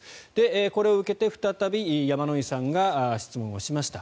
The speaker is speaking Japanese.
これを受けて、再び山井さんが質問をしました。